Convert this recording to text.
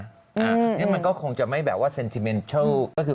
อันนี้มันก็คงจะไม่แบบว่าเซ็นซิเมนเชิล